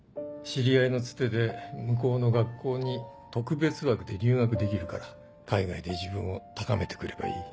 知り合いのツテで向こうの学校に特別枠で留学できるから海外で自分を高めて来ればいい。